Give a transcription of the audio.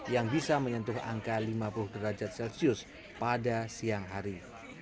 yang bisa menyentuh angka lima puluh derajat celcius pada siang hari